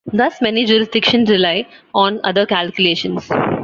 Thus, many jurisdictions rely on other calculations.